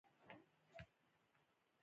هغه د خپل زوی له کوڼوالي څخه وېرېده.